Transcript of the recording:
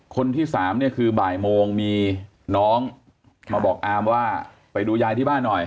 คนที่สามเนี่ยคือบ่ายโมงมีน้องมาบอกอามว่าไปดูยายที่บ้านหน่อย